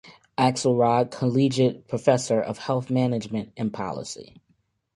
Axelrod Collegiate Professor of Health Management and Policy.